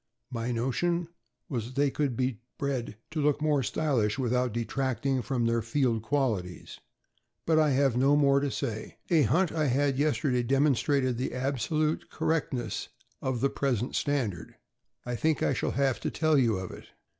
My notion was that they could be bred to look more stylish without detracting from their field qualities; but I have no more to say. A hunt I had yesterday demonstrated the absolute correctness of the present standard. I think I shall have to tell you of it.